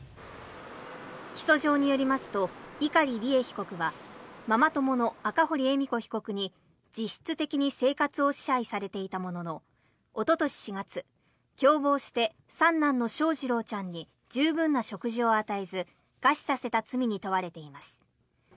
起訴状によりますと碇利恵被告はママ友の赤堀恵美子被告に実質的に生活を支配されていたもののおととし４月共謀して三男の翔士郎ちゃんに十分な食事を与えず餓死させた罪に問われています。